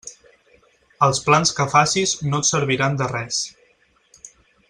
Els plans que facis no et serviran de res.